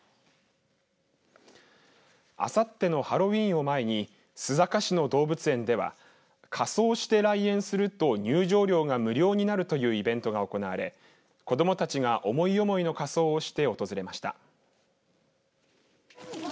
あさってのハロウィーンを前に須坂市の動物園では仮装して来園すると入場料が無料になるというイベントが行われ、子どもたちが思い思いの仮装をして訪れました。